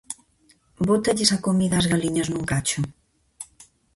Bótalles a comida ás galiñas nun cacho.